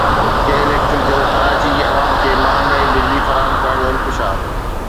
ڪي electric جو ڪراچي جي عوام کي مهانگي بجلي فراهم ڪرڻ جو انڪشاف